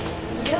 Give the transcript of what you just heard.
iya boleh yuk